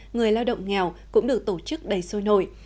người lao động nghèo cũng được tổ chức đầy sôi nổi